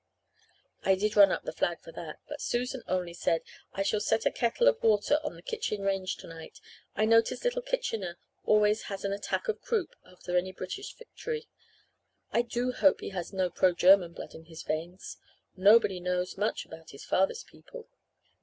I did run up the flag for that but Susan only said 'I shall set a kettle of water on the kitchen range tonight. I notice little Kitchener always has an attack of croup after any British victory. I do hope he has no pro German blood in his veins. Nobody knows much about his father's people.'